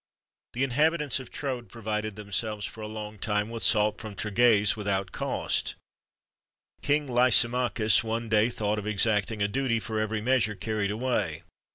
The inhabitants of Troad provided themselves for a long time with salt from Tragase without cost. King Lysimachus one day thought of exacting a duty for every measure carried away.